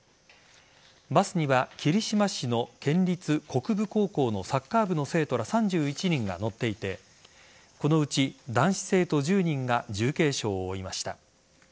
バスには霧島市の県立国分高校のサッカー部の生徒ら３１人が乗っていてこのうち、男子生徒１０人が重軽傷を負いました。